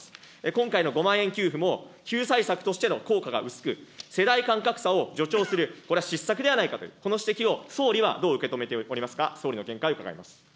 今回の５万円給付も、救済策としての効果が薄く、世代間格差を助長する、これは失策ではないかと、この指摘を総理はどう受け止めておりますか。